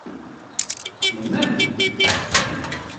Il m'aime!